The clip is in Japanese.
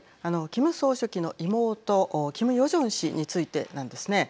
キム総書記の妹キム・ヨジョン氏についてなんですね。